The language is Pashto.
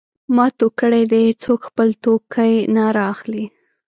ما تو کړی دی؛ څوک خپل توکی نه رااخلي.